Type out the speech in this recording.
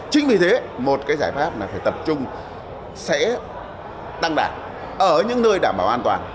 chính vì thế một cái giải pháp là phải tập trung sẽ tăng đạt ở những nơi đảm bảo an toàn